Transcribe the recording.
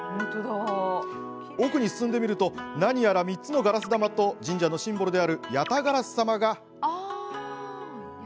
奥に進んでみると何やら３つのガラス玉と神社のシンボルである八咫烏様が。